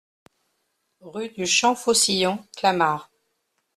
Rue du Champ Faucillon, Clamart